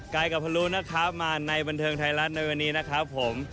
กับพลุนะครับมาในบันเทิงไทยรัฐในวันนี้นะครับผม